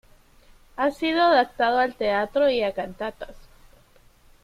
Ha sido adaptado al teatro y a cantatas.